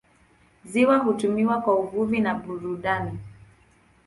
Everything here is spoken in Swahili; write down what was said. Ziwa hutumiwa kwa uvuvi na burudani.